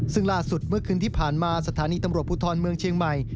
ซึ่งล่าสุดเมื่อคืนที่ผ่านมาสถานีตำรวจภูทรเมืองเชียงใหม่